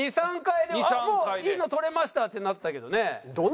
２３回で「もういいの撮れました」ってなったけどね。